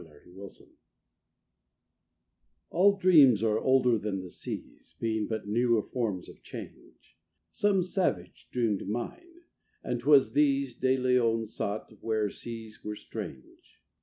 HIEROGLYPHS I All dreams are older than the seas, Being but newer forms of change; Some savage dreamed mine; and 'twas these De Leon sought where seas were strange.